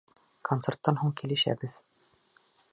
Концерттан һуң килешәбеҙ.